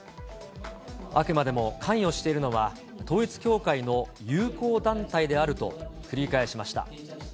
あくまでも関与しているのは統一教会の友好団体であると繰り返しました。